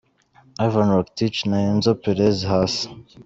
Ivan Rakitic na Enzo Perez hasi .